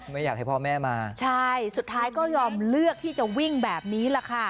ไม่อยากให้พ่อแม่มาใช่สุดท้ายก็ยอมเลือกที่จะวิ่งแบบนี้แหละค่ะ